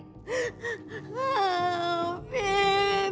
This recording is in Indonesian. minta mau pulang